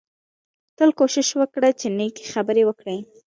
تل کوشش وکړه چې نېکې خبرې وکړې